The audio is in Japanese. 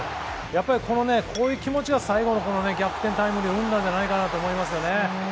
やっぱりこのこういう気持ちが最後の逆転タイムリーを生んだんじゃないかなと思います。